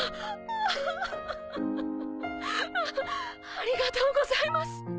ありがとうございます。